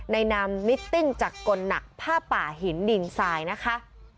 ในนามมิตติ้งจักรนักภาพป่าหินดินสายนะคะ